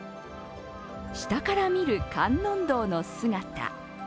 下から見る観音堂の姿。